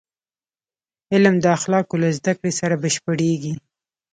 علم د اخلاقو له زدهکړې سره بشپړېږي.